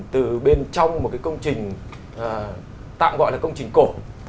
từ bên trong một cái công trình tạm gọi là công trình cổ